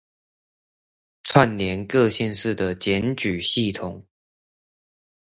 串接各縣市的檢舉系統